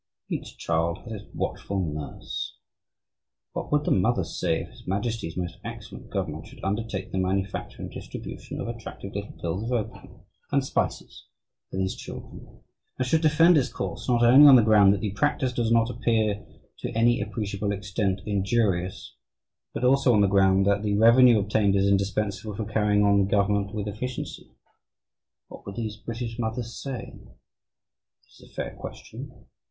Each child has its watchful nurse. What would the mothers say if His Majesty's Most Excellent Government should undertake the manufacture and distribution of attractive little pills of opium and spices for these children, and should defend its course not only on the ground that "the practice does not appear to any appreciable extent injurious," but also on the ground that "the revenue obtained is indispensable for carrying on the government with efficiency"? What would these British mothers say? It is a fair question.